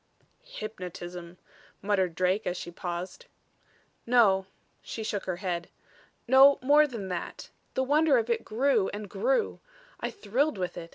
"Hypnotism," muttered Drake, as she paused. "No." She shook her head. "No more than that. The wonder of it grew and grew. I thrilled with it.